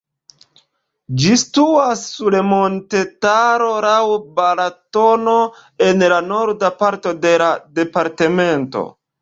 Ĝi situas sur montetaro laŭ Balatono en la norda parto de la departemento.